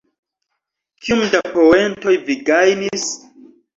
Kiom da poentoj vi gajnis?